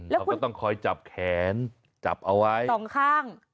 เขาก็ต้องคอยจับแขนจับเอาไว้สองข้าง